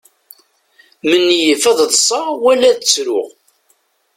Menyif ad ḍseɣ wala ad ttruɣ.